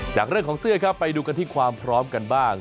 จากเรื่องของเสื้อครับไปดูกันที่ความพร้อมกันบ้าง